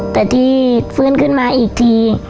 แต่ที่ฟื้นขึ้นมาอีกที